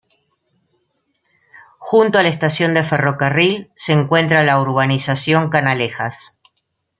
Junto a la estación de ferrocarril se encuentra la urbanización Canalejas.